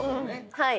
はい。